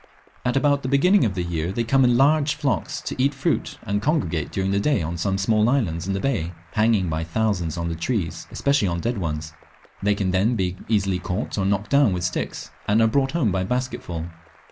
At about the beginning of the year they come in large flocks to eat fruit, and congregate during the day on some small islands in the bay, hanging by thousands on the trees, especially on dead ones. They can then be easily caught or knocked down with sticks, and are brought home by basketsfull.